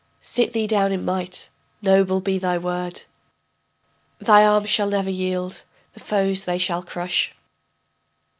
Sit thee down in might, noble be thy word, Thy arms shall never yield, the foes they shall crush.